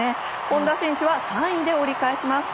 本多選手は３位で折り返します。